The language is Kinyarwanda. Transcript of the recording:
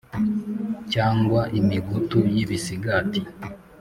Cyangwa imigutu y'ibisigati